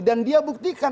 dan dia buktikan